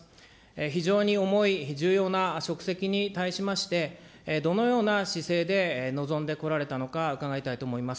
非常に重い重要な職責に対しまして、どのような姿勢で臨んでこられたのか、伺いたいと思います。